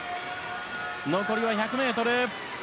残りは１００ｍ。